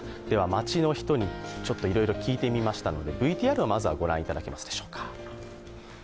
街の人にいろいろ聞いてみましたので、ＶＴＲをまずはご覧いただけますでしょうか。